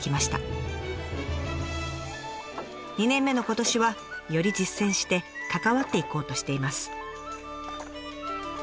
２年目の今年はより実践して関わっていこうとしています。